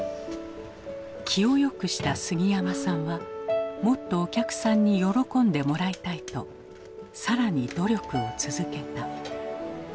気をよくした杉山さんはもっとお客さんに喜んでもらいたいと更に努力を続けた。